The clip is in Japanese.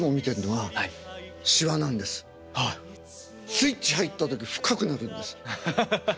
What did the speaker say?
スイッチ入った時深くなるんです。